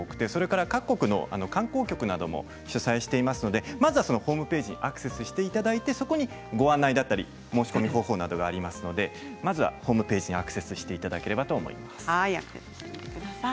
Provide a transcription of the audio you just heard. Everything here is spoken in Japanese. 各国の観光客などが主催していますのでまずはホームページにアクセスしていただいてそこにご案内だったり申し込みコーナーがありますのでまずホームページにアクセスしていただければと思います。